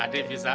ah deh bisa aja